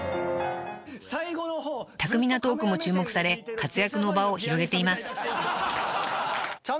［巧みなトークも注目され活躍の場を広げています］